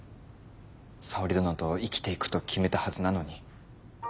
沙織殿と生きていくと決めたはずなのに。